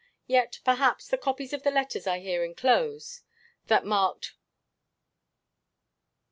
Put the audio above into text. Yet, perhaps, the copies of the letters I here inclose (that marked [I.